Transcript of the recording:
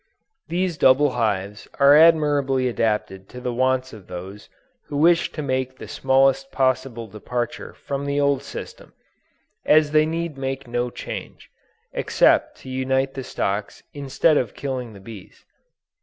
These double hives are admirably adapted to the wants of those who wish to make the smallest possible departure from the old system, as they need make no change, except to unite the stocks instead of killing the bees.